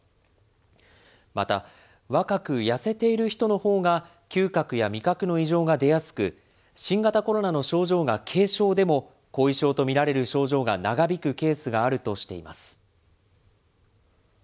また、若く痩せている人のほうが嗅覚や味覚の異常が出やすく、新型コロナの症状が軽症でも、後遺症と見られる症状が長引くケースがあるとしています。